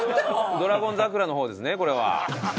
『ドラゴン桜』の方ですねこれは。